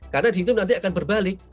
karena di situ nanti akan berbalik